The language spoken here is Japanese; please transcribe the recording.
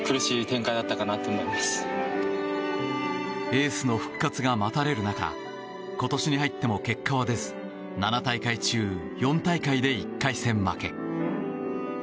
エースの復活が待たれる中今年に入っても結果は出ず７大会中４大会で１回戦負け。